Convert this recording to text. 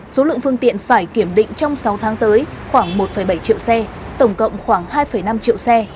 số lượng phương tiện phải kiểm định trong sáu tháng tới khoảng một bảy triệu xe tổng cộng khoảng hai năm triệu xe